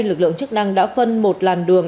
lực lượng chức năng đã phân một làn đường